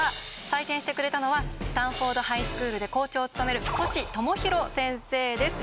採点してくれたのはスタンフォードハイスクールで校長を務める星友啓先生です。